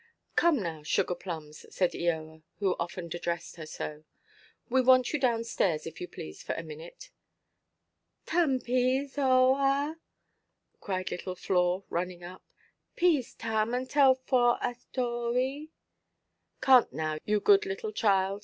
"Come, now, Sugar–plums," said Eoa, who often addressed her so, "we want you down–stairs, if you please, for a minute." "Tum, pease, Oh Ah," cried little Flore, running up; "pease tum, and tell Fore a tory." "Canʼt now, you good little child.